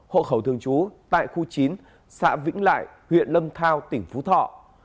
hộ khẩu thường trú tại khu chín xã vĩnh lại huyện lâm thao tỉnh phú thọ